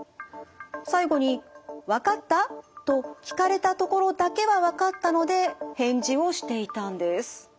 最後に「わかった？」と聞かれたところだけはわかったので返事をしていたんです。